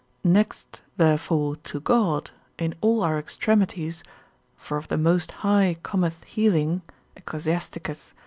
Next therefore to God in all our extremities (for of the most high cometh healing, Ecclus.